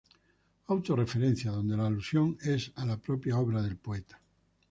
Auto-referencia, donde la alusión es a la propia obra del poeta.